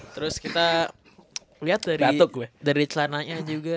terus kita lihat dari celananya juga